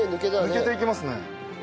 抜けていきますね。